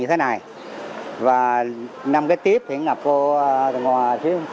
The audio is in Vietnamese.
theo dự báo của trung tâm thủy tượng thủy văn thành phố